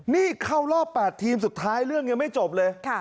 นี่เข้ารอบ๘ทีมสุดท้ายเรื่องยังไม่จบเลย